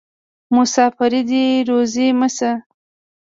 مسافري دې روزي مه شه.